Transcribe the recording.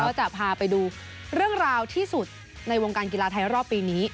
จะพาไปดูเรื่องราวที่สุดในวงการกีฬาไทยรอบปีนี้